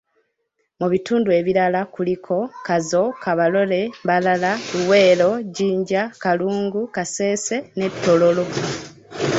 Mu bitundu ebirala kuliko; Kazo, Kabarole, Mbarara, Luweero, Jinja, Kalungu, Kasese ne Tororo.